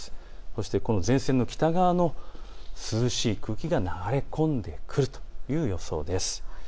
そして、この前線の北側の涼しい空気が流れ込んでくるという予想です。